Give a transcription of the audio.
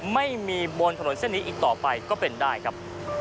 ไม่มีบนถนนเส้นนี้อีกต่อไปก็เป็นได้ครับ